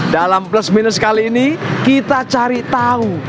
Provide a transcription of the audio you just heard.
dalam plus minus kali ini kita cari tahu